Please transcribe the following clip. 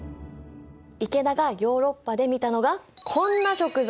池田がヨーロッパで見たのがこんな食材。